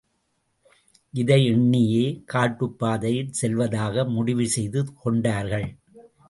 இதை எண்ணியே காட்டுப்பாதையில் செல்வதாக முடிவு செய்து கொண்டார்கள்.